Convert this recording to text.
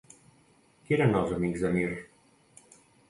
Qui eren els amics de Mir?